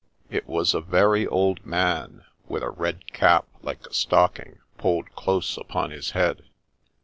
It was a very old man, with a red cap, like a stocking, pulled close upon his head.